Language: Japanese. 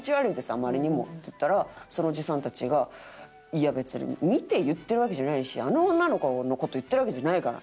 あまりにも」って言ったらそのおじさんたちが「いや別に見て言ってるわけじゃないしあの女の子の事言ってるわけじゃないから」。